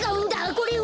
これは。